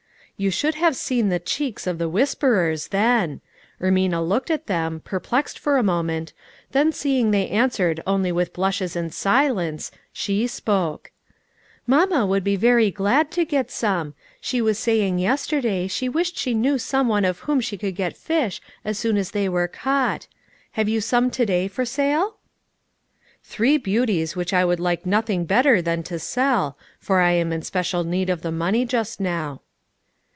You should have seen the cheeks of the whis perers then ! Ermina looked at them, perplexed for a moment, then seeing they answered only with blushes and silence she spoke :" Mamma THE NEW ENTERPRISE. 371 would be very glad to get some ; she was say ing yesterday she wished she knew some one of whom she could get fish as soon as they were caught. Have you some to day for sale?" "Three beauties which I would like nothing better than to sell, for I am in special need of the money just now."